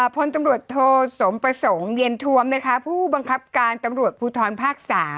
พลตำรวจโทสมประสงค์เย็นทวมนะคะผู้บังคับการตำรวจภูทรภาค๓